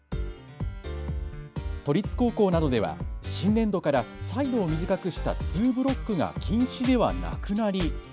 都立高校などでは新年度からサイドを短くしたツーブロックが禁止ではなくなり。